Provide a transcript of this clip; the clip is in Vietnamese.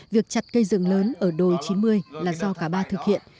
việc chặt cây rừng lớn ở đồ chín mươi là do cả ba thực hiện